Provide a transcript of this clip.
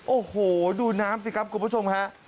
โอ้โหดูน้ำสิครับคุณผู้ชมฮะ